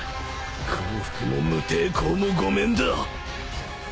降伏も無抵抗もごめんだ！